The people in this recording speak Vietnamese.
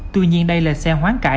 tuy nhiên đây là xe hoán cải